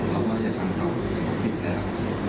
เราว่จะทำกลับแล้ว